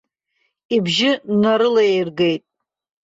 Ибжьы нарылаиргеит.